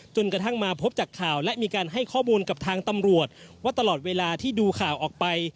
กระทั่งมาพบจากข่าวและมีการให้ข้อมูลกับทางตำรวจว่าตลอดเวลาที่ดูข่าวออกไป